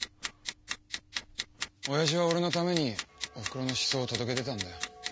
親父は俺のためにおふくろの失踪を届け出たんだよ。